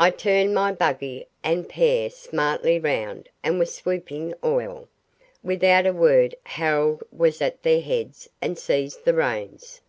I turned my buggy and pair smartly round and was swooping off. Without a word Harold was at their heads and seized the reins.